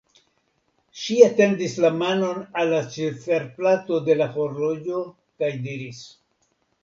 Ŝi etendis la manon al la ciferplato de la horloĝo kaj diris.